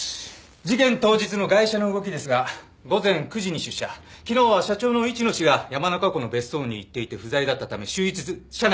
事件当日のガイシャの動きですが午前９時に出社昨日は社長の市野氏が山中湖の別荘に行っていて不在だったため終日社内で勤務。